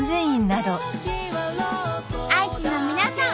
愛知の皆さん